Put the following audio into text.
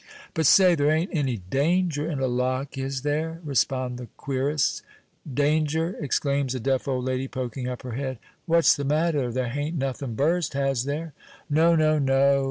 "But say, there ain't any danger in a lock, is there?" respond the querists. "Danger!" exclaims a deaf old lady, poking up her head; "what's the matter? There hain't nothin' burst, has there?" "No, no, no!"